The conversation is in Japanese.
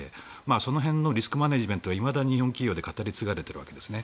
その辺のリスクマネジメントはいまだに日本企業で語り継がれているわけですね。